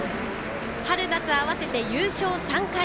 春夏合わせて優勝３回。